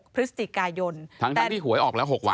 พฤศจิกายนทั้งที่หวยออกแล้ว๖วัน